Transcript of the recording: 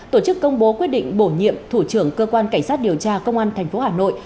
tổ chức công bố quyết định bổ nhiệm thủ trưởng cơ quan cảnh sát điều tra công an tp hà nội